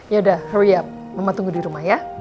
yaudah hurry up mama tunggu di rumah ya